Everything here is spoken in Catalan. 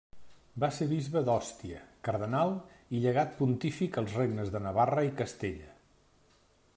Va ser bisbe d'Òstia, cardenal i llegat pontific als regnes de Navarra i Castella.